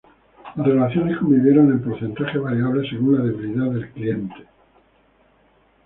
Las relaciones convivieron en porcentajes variables según la debilidad del cliente.